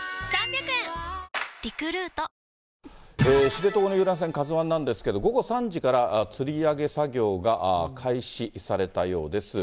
知床の遊覧船、ＫＡＺＵＩなんですが、午後３時からつり上げ作業が開始されたようです。